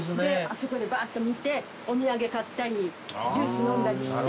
あそこでばーっと見てお土産買ったりジュース飲んだりして。